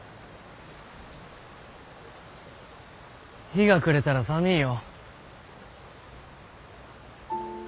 日が暮れたら寒いよ。